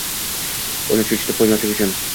uni cho’chitib qo’ymaslik uchun.